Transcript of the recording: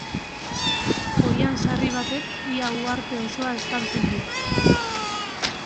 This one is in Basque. Oihan sarri batek ia uharte osoa estaltzen du.